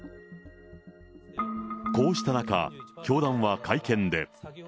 こうした中、教団は会見で。